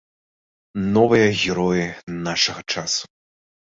Новыя героі нашага часу.